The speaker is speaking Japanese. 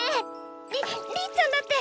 りっりっちゃんだって！